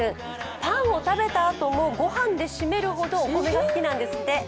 パンを食べたあとも御飯で締めるほどお米が好きなんですって。